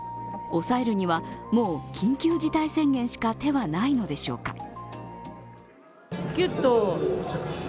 抑えるには、もう緊急事態宣言しか手はないのでしょうか。